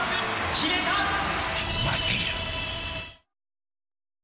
待っている。